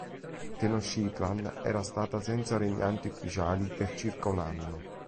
Tenochtitlan era stata senza regnanti ufficiali per circa un anno.